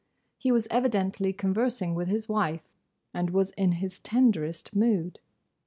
He was evidently conversing with his wife, and was in his tenderest mood.